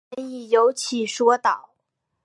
英雄剑亦由其所铸。